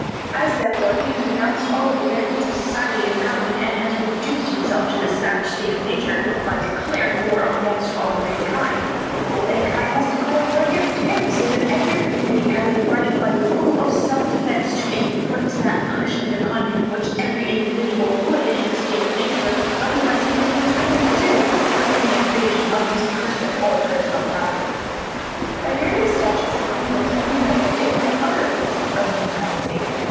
As, therefore, he has renounced all the benefits of society and government, and has reduced himself to the savage state of nature, by declaring war against all mankind, all mankind must declare war against him; so that every community has a right by the rule of self defense, to inflict that punishment upon him which every individual would in a state of nature otherwise have been entitled to do, for any invasion of his person or personal property. By various statutes in England and the United States, other offences are made piracy.